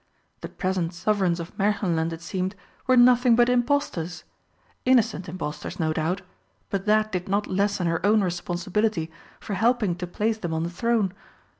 The present Sovereigns of Märchenland, it seemed, were nothing but impostors! Innocent impostors, no doubt but that did not lessen her own responsibility for helping to place them on the throne.